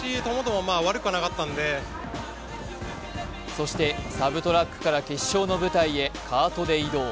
そしてサブトラックから決勝の舞台へカートで移動。